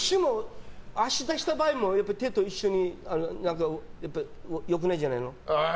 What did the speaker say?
足を出した場合も、手と一緒で良くないんじゃないの。